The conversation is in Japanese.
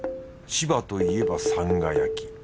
千葉といえばさんが焼き。